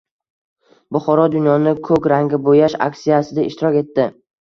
Buxoro “Dunyoni ko‘k rangga bo‘yash” aksiyasida ishtirok etdi